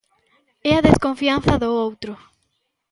E a desconfianza do outro.